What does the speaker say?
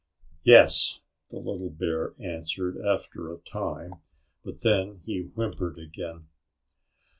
"Yes," the little bear answered after a time. But then he whimpered again.